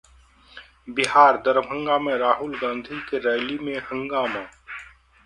बिहार: दरभंगा में राहुल गांधी की रैली में हंगामा